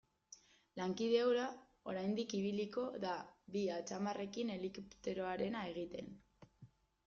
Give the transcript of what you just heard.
Lankide hura oraindik ibiliko da bi atzamarrekin helikopteroarena egiten.